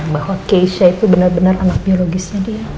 bahwa keisha itu benar benar anak biologisnya dia